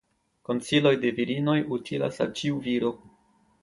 Konsiloj de virinoj utilas al ĉiu viro.